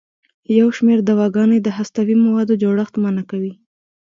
یو شمېر دواګانې د هستوي موادو جوړښت منع کوي.